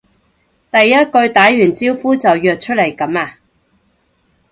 第一句打完招呼就約出嚟噉呀？